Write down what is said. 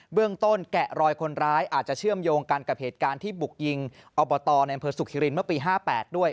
เบื้องต้นแกะรอยคนร้ายอาจจะเชื่อมโยงกันกับเหตุการณ์ที่ปลุกยิงอนศุภิรินทร์เมื่อปี๕๘ด้วย